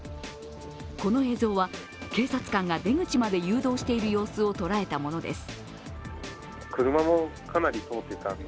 この映像は、警察官が出口まで誘導している様子を捉えたものです。